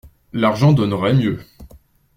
L'argent donnerait mieux.